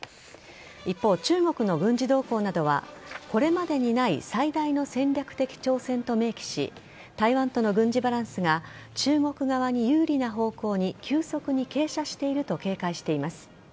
一方、中国の軍事動向などはこれまでにない最大の戦略的挑戦と明記し台湾との軍事バランスが中国側に有利な方向に急速に傾斜していると警戒しています。